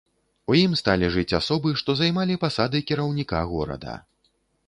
У ім сталі жыць асобы, што займалі пасады кіраўніка горада.